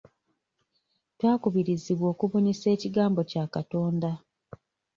Twakubirizibwa okubunyisa ekigambo kya Katonda.